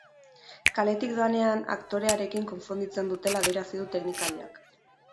Kaletik doanean aktorearekin konfundintzen dutela adierazi du teknikariak.